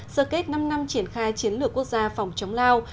sơ kết năm năm triển khai chiến lược quốc gia phòng chống lao